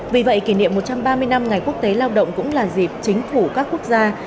vì vậy kỷ niệm một trăm ba mươi năm ngày quốc tế lao động cũng là dịp chính phủ các quốc gia